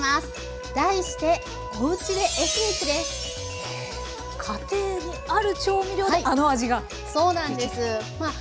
題して家庭にある調味料であの味ができる。